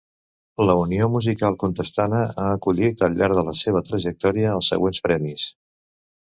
La Unió Musical Contestana ha collit al llarg de la seva trajectòria els següents premis.